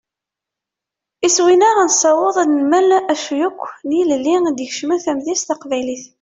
Iswi-nneɣ ad nessaweḍ ad d-nemmel acu akk n yilelli i d-ikecmen tamedyazt taqbaylit.